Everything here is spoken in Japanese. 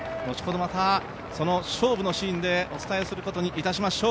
また、その勝負のシーンでお伝えすることにいたしましょう。